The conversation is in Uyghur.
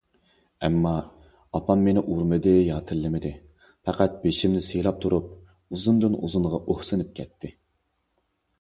ئەمما، ئاپام مېنى ئۇرمىدى، يا تىللىمىدى، پەقەت بېشىمنى سىيلاپ تۇرۇپ ئۇزۇندىن- ئۇزۇنغا ئۇھسىنىپ كەتتى.